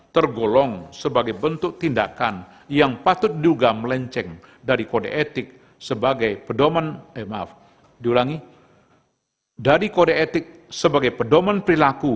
tergolong sebagai bentuk tindakan yang patut diduga melenceng dari kode etik sebagai pedoman perilaku